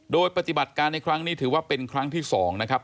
โดยปฏิบัติการในครั้งนี้ถือว่าเป็นครั้งที่๒นะครับ